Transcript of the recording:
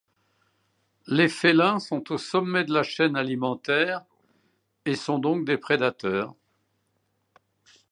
Les félins sont au sommet de la chaîne alimentaire et sont donc des prédateurs.